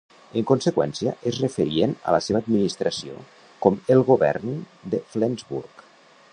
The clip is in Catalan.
En conseqüència, es referien a la seva administració con "el govern de Flensburg".